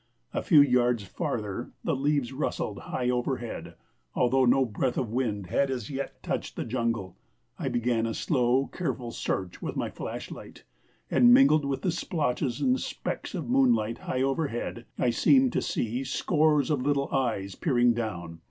A few yards farther the leaves rustled high overhead, although no breath of wind had as yet touched the jungle. I began a slow, careful search with my flashlight, and, mingled with the splotches and specks of moonlight high overhead, I seemed to see scores of little eyes peering down.